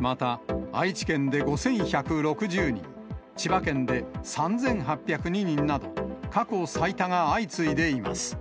また、愛知県で５１６０人、千葉県で３８０２人など、過去最多が相次いでいます。